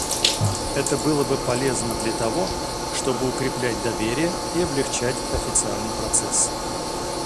Это было бы полезно для того, чтобы укреплять доверие и облегчать официальный процесс.